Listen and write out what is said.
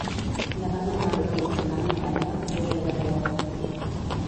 Llevant en mar i tramuntana en terra, pluja darrere.